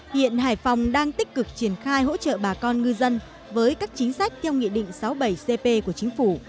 hiện hải phòng đang tích cực triển khai hỗ trợ bà con ngư dân với các chính sách theo nghị định sáu mươi bảy cp của chính phủ